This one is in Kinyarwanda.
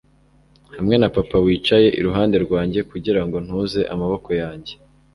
hamwe na papa wicaye iruhande rwanjye kugirango ntuze amaboko yanjye